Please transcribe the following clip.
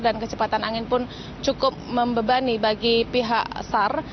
dan kecepatan angin pun cukup membebani bagi pihak sar